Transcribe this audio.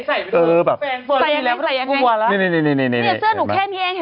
เชื่อนุ้นผมแค่นี้อังเห็นเปล่า